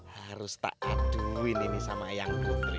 harus tak aduin ini sama yang putri